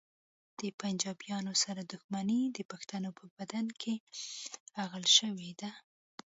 د پنجابیانو سره دښمني د پښتنو په بدن کې اغږل شوې ده